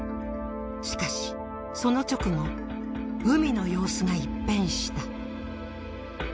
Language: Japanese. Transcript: しかしその直後海の様子が一変した。